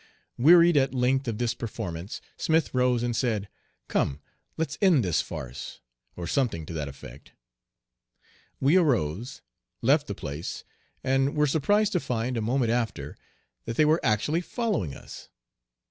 Wearied at length of this performance, Smith rose and said, "Come, let's end this farce," or something to that effect. We arose, left the place, and were surprised to find a moment after that they were actually following us.